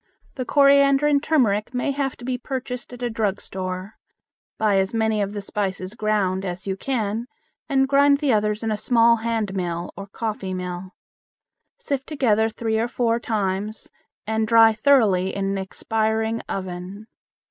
The coriander and turmeric may have to be purchased at a drug store. Buy as many of the spices ground as you can, and grind the others in a small hand mill or coffee mill. Sift together three or four times and dry thoroughly in an expiring oven.